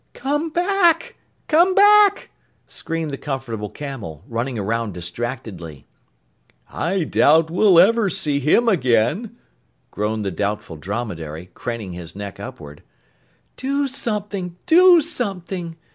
"Come back! Come back!" screamed the Comfortable Camel, running around distractedly. "I doubt we'll ever see him again!" groaned the Doubtful Dromedary, craning his neck upward. "Do something! Do something!"